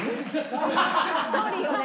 ストーリーをね。